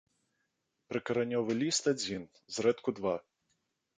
Прыкаранёвы ліст адзін, зрэдку два.